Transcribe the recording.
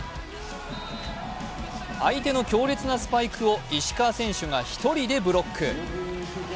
相手の強烈なスパイクを石川選手が１人でブロック。